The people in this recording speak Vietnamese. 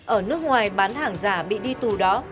ở nước ngoài bán hàng giả bị đi tù đó